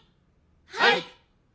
はい！